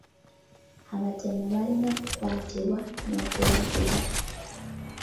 Abatemu balina okukwatibwa n'okulagibwa.